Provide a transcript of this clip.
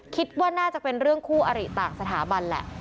คิดว่าน่าจะเป็นเรื่องคู่อริต่างสถาบันแหละ